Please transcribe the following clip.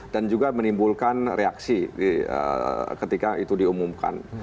dan juga menimbulkan reaksi ketika itu diumumkan